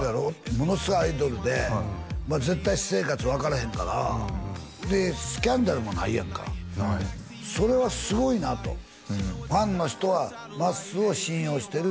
ものすごいアイドルで絶対私生活分からへんからでスキャンダルもないやんかないそれはすごいなとファンの人はまっすーを信用してる